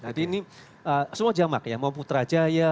jadi ini semua jamak ya mau putrajaya